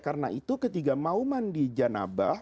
karena itu ketika mau mandi janabah